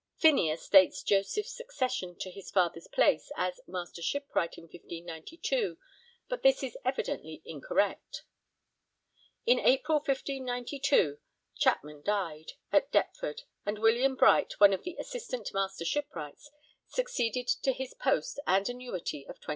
Phineas (see p. 4) dates Joseph's succession to his father's place as Master Shipwright in 1592, but this is evidently incorrect. In April 1592 Chapman died at Deptford, and William Bright, one of the Assistant Master Shipwrights, succeeded to his post and annuity of 20_d.